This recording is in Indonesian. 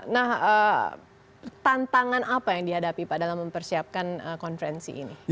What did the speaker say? nah tantangan apa yang dihadapi pada mempersiapkan konferensi ini